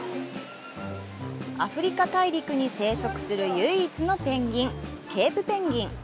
アフリカ大陸に生息する唯一のペンギン、ケープペンギン。